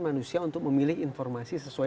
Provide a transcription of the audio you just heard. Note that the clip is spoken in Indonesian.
manusia untuk memilih informasi sesuai